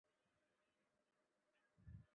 而凤宝钗则为他买来了连衣裙。